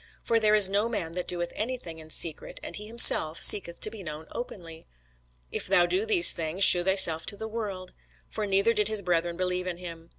For there is no man that doeth any thing in secret, and he himself seeketh to be known openly. If thou do these things, shew thyself to the world. For neither did his brethren believe in him.